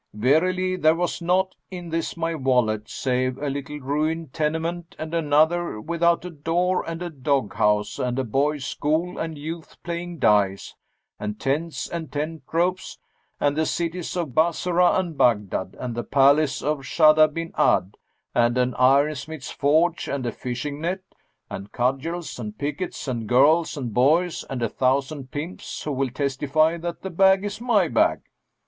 Verily, there was naught in this my wallet, save a little ruined tenement and another without a door and a dog house and a boys' school and youths playing dice and tents and tent ropes and the cities of Bassorah and Baghdad and the palace of Shaddad bin Ad and an ironsmith's forge and a fishing net and cudgels and pickets and girls and boys and a thousand pimps who will testify that the bag is my bag.'